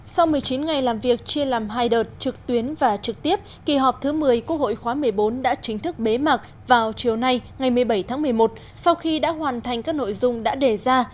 sau một mươi chín ngày làm việc chia làm hai đợt trực tuyến và trực tiếp kỳ họp thứ một mươi quốc hội khóa một mươi bốn đã chính thức bế mạc vào chiều nay ngày một mươi bảy tháng một mươi một sau khi đã hoàn thành các nội dung đã đề ra